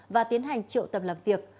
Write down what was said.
và tiến hành triệu tầm làm việc